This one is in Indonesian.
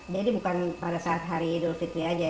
jadi bukan pada saat hari idul fitri saja